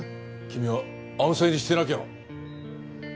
君は安静にしてなきゃ。